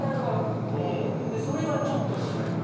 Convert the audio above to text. それからちょっと意識し始めた。